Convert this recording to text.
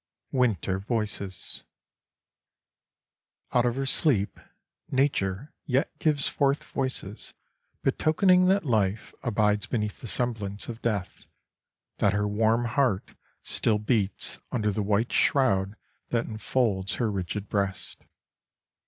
XLV WINTER VOICES Out of her sleep nature yet gives forth voices betokening that life abides beneath the semblance of death, that her warm heart still beats under the white shroud that infolds her rigid breast.